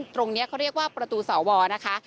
ตรงนี้เขาเรียกว่าประตูสวนะคะ